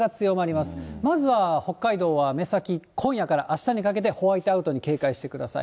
まずは、北海道は目先、今夜からあしたにかけてホワイトアウトに警戒してください。